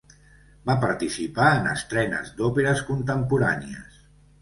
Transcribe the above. Va participar en estrenes d'òperes contemporànies.